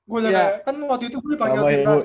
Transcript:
kan waktu itu gue dipanggil tipas